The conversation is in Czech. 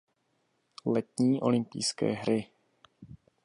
Letní olympijské hry.